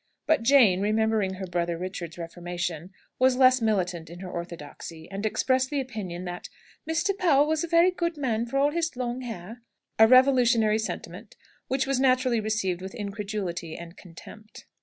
But Jane, remembering her brother Richard's reformation, was less militant in her orthodoxy, and expressed the opinion that "Mr. Powell was a very good man for all his long hair" a revolutionary sentiment which was naturally received with incredulity and contempt.